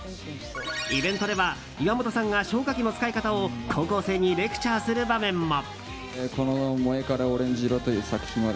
イベントでは岩本さんが消火器の使い方を高校生にレクチャーする場面も。